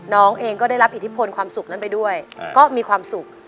น้องเองก็ได้รับอิทธิพลความสุขนั้นไปด้วยก็มีความสุข